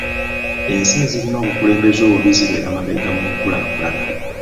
Ensi ezirina obukulembeze obubi zibeera mabega mu nkulaakulana.